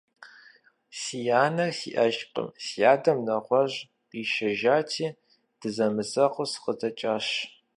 Си анэр сиӀэжкъым, си адэм нэгъуэщӀ къишэжати, дызэмызэгъыу сыкъыдэкӀащ.